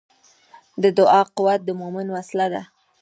د دعا قوت د مؤمن وسله ده.